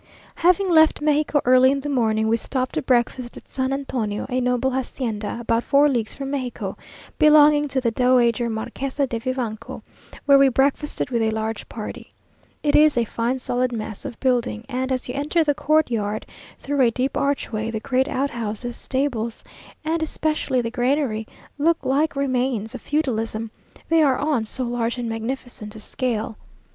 Having left Mexico early in the morning, we stopped to breakfast at San Antonio, a noble hacienda, about four leagues from Mexico, belonging to the Dowager Marquesa de Vivanco, where we breakfasted with a large party. It is a fine solid mass of building, and as you enter the courtyard, through a deep archway, the great outhouses, stables, and especially the granary, look like remains of feudalism, they are on so large and magnificent a scale.